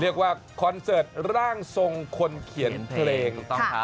เรียกว่าคอนเสิร์ตร่างทรงคนเขียนเพลง